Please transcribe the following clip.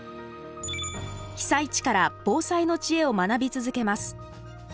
被災地から防災の知恵を学び続けます。